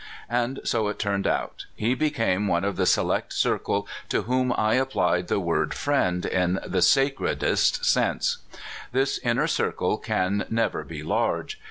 And so it turned out. He became one of the select circle to whom I applied the word friend in the sacredest sense. This inner circle can never be large.